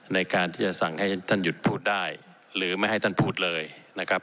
ในการที่จะสั่งให้ท่านหยุดพูดได้หรือไม่ให้ท่านพูดเลยนะครับ